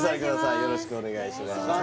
よろしくお願いします